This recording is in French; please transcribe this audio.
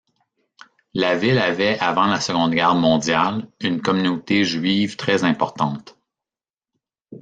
La ville avait avant la Seconde Guerre mondiale une communauté juive très importante.